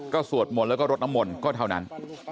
ก็สวดมนต์แล้วก็รดน้ำมนต์ก็เท่านั้น